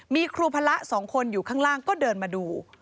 มีครูพระสองคนอยู่ข้างล่างก็เดินมาดู